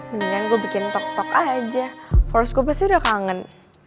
mendingan gue bikin tok tok aja force gue pasti udah kangen